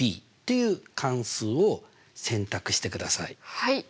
はい。